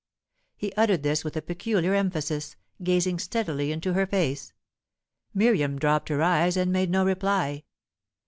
He uttered this with a peculiar emphasis, gazing steadily into her face. Miriam dropped her eyes, and made no reply.